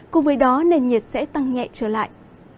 cùng với đó nền nhiệt sẽ tăng nhẹ trở lại